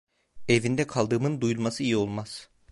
Evinde kaldığımın duyulması iyi olmaz.